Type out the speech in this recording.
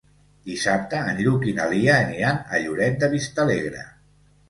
Dissabte en Lluc i na Lia aniran a Lloret de Vistalegre.